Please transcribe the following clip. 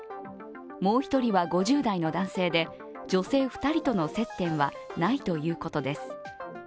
もう１人は５０代の男性で、女性２人との接点はないということです。